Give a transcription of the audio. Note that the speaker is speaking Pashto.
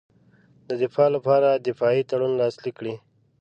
د دفاع لپاره دفاعي تړون لاسلیک کړي.